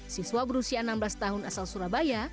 siswa berusia enam belas tahun asal surabaya